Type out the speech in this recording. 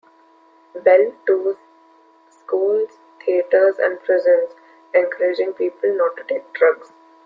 Bell tours schools, theatres and prisons, encouraging people to not take drugs.